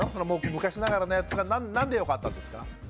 昔ながらのやつがなんでよかったんですか？